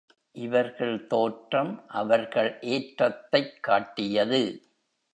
இவர்கள் தோற்றம் அவர்கள் ஏற்றத்தைக் காட்டியது.